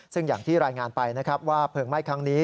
ซึ่งอย่างที่รายงานไปนะครับว่าเพลิงไหม้ครั้งนี้